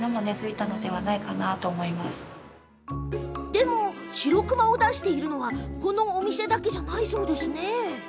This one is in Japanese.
でも、しろくまを出しているのはこのお店だけじゃないそうですね。